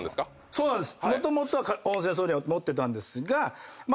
そうなんです。